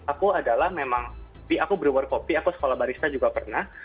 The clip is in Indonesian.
aku adalah memang di aku brewer kopi aku sekolah barista juga pernah